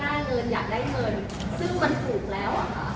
น่าเกินอยากได้เงินซึ่งมันถูกแล้ว